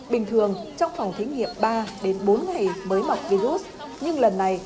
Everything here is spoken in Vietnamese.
bình thường trong phòng thí nghiệm ba đến bốn ngày mới mọc virus nhưng lần này